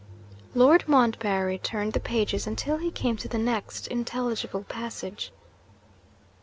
Lord Montbarry turned the pages until he came to the next intelligible passage.